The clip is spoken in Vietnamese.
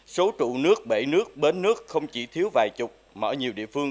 số trụ nước bể nước bến nước không chỉ thiếu vài chục mà ở nhiều địa phương